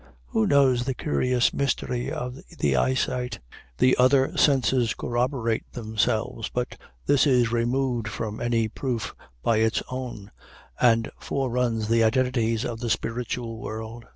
Who knows the curious mystery of the eyesight? The other senses corroborate themselves, but this is removed from any proof but its own, and foreruns the identities of the spiritual world.